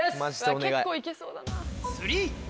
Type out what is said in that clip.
結構行けそうだな。